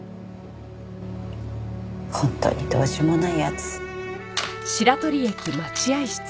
本当にどうしようもない奴。